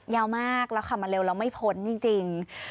ยาวมากแล้วขับมาเร็วแล้วไม่พ้นจริง